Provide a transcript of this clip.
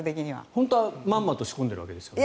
本当はまんまと仕込んでるんですよね。